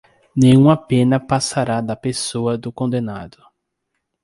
nenhuma pena passará da pessoa do condenado